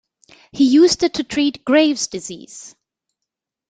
He used it to treat Graves' disease.